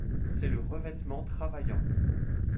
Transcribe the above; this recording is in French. C'est le revêtement travaillant.